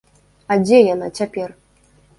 А дзе яна цяпер?